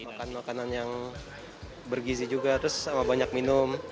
makan makanan yang bergizi juga terus sama banyak minum